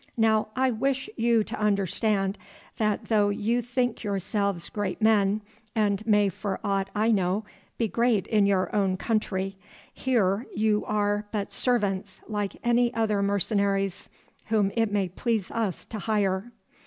Now, I wish you to understand that though you think yourselves great men, and may for aught I know be great in your own country, here you are but servants like any other mercenaries whom it may please us to hire."